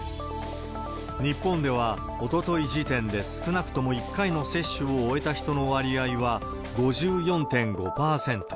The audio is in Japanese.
日本では、おととい時点で少なくとも１回の接種を終えた人の割合は５４．５％。